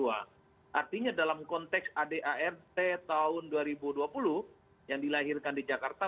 artinya dalam konteks adart tahun dua ribu dua puluh yang dilahirkan di jakarta